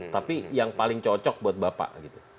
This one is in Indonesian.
tapi yang paling cocok buat bapak gitu